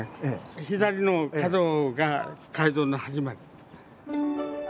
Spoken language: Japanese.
左の角が街道の始まり。